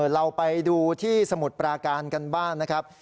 เราไปดูที่สมุทรปราการกันบ้างนะครับ